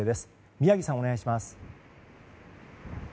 宮城さん、お願いします。